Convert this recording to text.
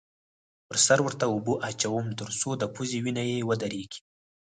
پر سر ورته اوبه اچوم؛ تر څو د پوزې وینه یې ودرېږې.